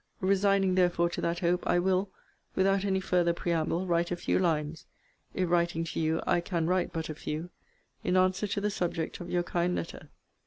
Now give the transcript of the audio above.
Resigning therefore to that hope, I will, without any further preamble, write a few lines, (if writing to you, I can write but a few,) in answer to the subject of your kind letter.